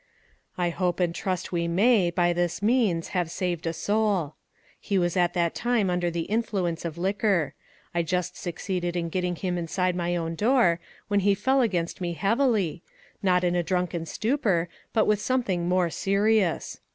I hope and trust we may, by this means, have saved a soul. He was at that time under the influence of liquor. I just succeeded in getting him inside my own door, when he fell against me heavily; not in a drunken stupor, but 382 ONE COMMONPLACE DAY. with something more serious.